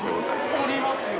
ありますよ。